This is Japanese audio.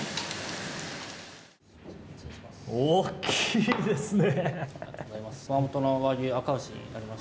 大きいですね！